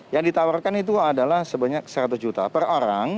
yang ditawarkan itu adalah sebanyak seratus juta per orang